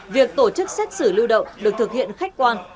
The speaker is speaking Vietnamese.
việc tổ chức xét xử lưu động được thực hiện khách quan